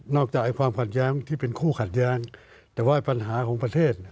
จากความขัดแย้งที่เป็นคู่ขัดแย้งแต่ว่าปัญหาของประเทศ